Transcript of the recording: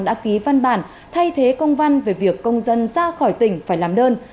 đã ký văn bản thay thế công văn về việc công dân ra khỏi tỉnh phải làm đơn